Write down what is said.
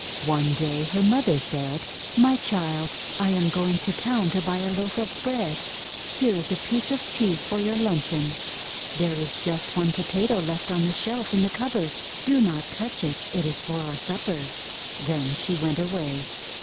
One day her mother said: :<My child, I am going to town to buy a loaf of bread. Here is a piece of cheese for your luncheon. There is just one Potato left on the shelf in the cupboard. Do not touch it. It is for our supper." Then she went away.